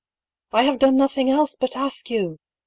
" I have done nothing else but ask you